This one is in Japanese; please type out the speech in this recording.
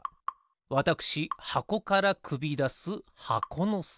わたくしはこからくびだす箱のすけ。